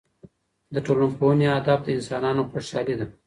د ټولنپوهنې هدف د انسانانو خوشحالي ده.